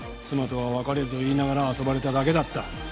「妻とは別れると言いながら遊ばれただけだった」